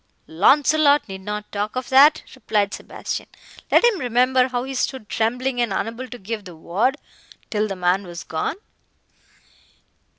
"Launcelot need not talk of that," replied Sebastian, "let him remember how he stood trembling, and unable to give the word, till the man was gone.